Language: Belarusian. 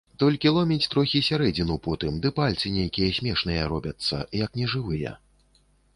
Толькі ломіць трохі сярэдзіну потым ды пальцы нейкія смешныя робяцца, як нежывыя.